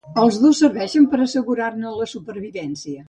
Els dos servixen per assegurar-ne la supervivència.